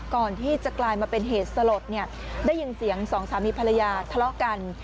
ก่อนที่จะกลายมาเป็นเหตุสลดเนี่ยได้ยินเสียงสองสามีภรรยาทะเลาะกัน